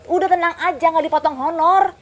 udah tenang aja gak dipotong honor